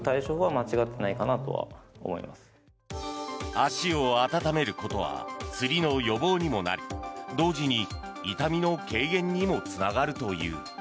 足を温めることはつりの予防にもなり同時に痛みの軽減にもつながるという。